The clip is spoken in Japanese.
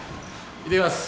いってきます。